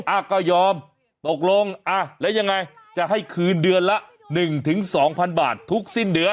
อ่ะก็ยอมตกลงอ่ะแล้วยังไงจะให้คืนเดือนละ๑๒๐๐๐บาททุกสิ้นเดือน